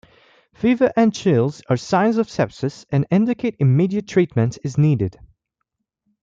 Fever and chills are signs of sepsis and indicate immediate treatment is needed.